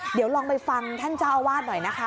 เดี๋ยวลองไปฟังท่านเจ้าอาวาสหน่อยนะคะ